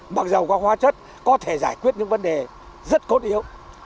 mặc dù các hóa chất có thể giải quyết những vấn đề rất cốt yếu